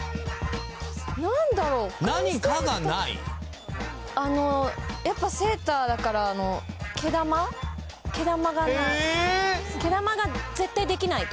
何だろう何かがないあのやっぱセーターだからあのえっ！？